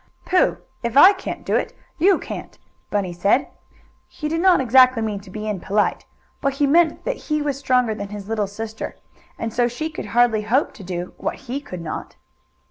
"Pooh! If I can't do it, you can't," Bunny said. He did not exactly mean to be impolite, but he meant that he was stronger than his little sister and so she could hardly hope to do what he could not.